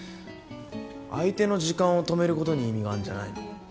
相手の時間を止めることに意味があんじゃないの？